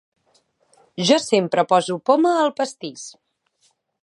Jo sempre poso poma al pastís.